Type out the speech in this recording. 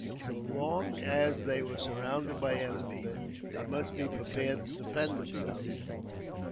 So long as they were surrounded with enemies, they must be prepared to defend themselves.